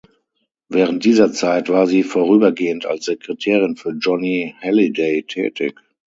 Während dieser Zeit war sie vorübergehend als Sekretärin für Johnny Hallyday tätig.